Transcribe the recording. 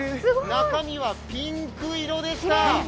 中身はピンク色でした。